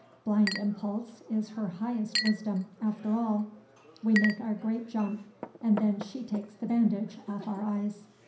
Blind impulse is her highest wisdom, after all. We make our great jump, and then she takes the bandage off our eyes.